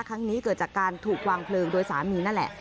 ครั้งนี้เกิดจากการถูกวางเพลิงโดยสามีนั่นแหละ